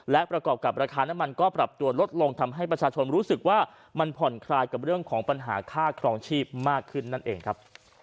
และประกอบกับราคาน้ำมันก็ปรับตัวลดลงทำให้ประชาชนรู้สึกว่ามันผ่อนคลายกับเรื่องของปัญหาค่าครองชีพมากขึ้นนั่นเองครับ